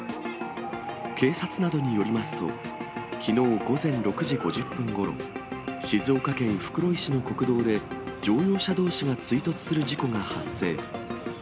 警察などによりますと、きのう午前６時５０分ごろ、静岡県袋井市の国道で乗用車どうしが追突する事故が発生。